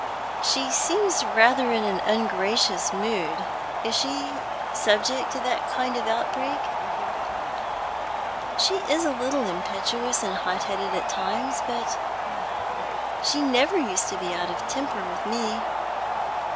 "She seems rather in an ungracious mood. Is she subject to that kind of outbreak ?"" She is a little impetuous and hot headed at times, but she never used to be out of temper with me."